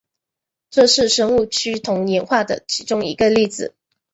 这是生物趋同演化的其中一个例子。